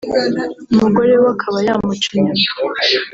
umugore we akaba yamuca inyuma